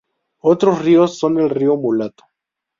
Otros ríos son el río Mulato.